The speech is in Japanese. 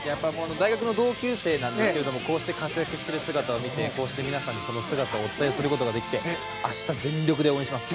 大学の同級生なんですけどこうした活躍している姿を見てこうして皆さんにその姿をお伝えすることができて明日、全力で応援します。